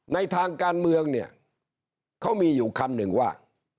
ในทางการเมืองเนี่ยเขามีอยู่คำหนึ่งว่า